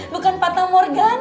bukan patah morgana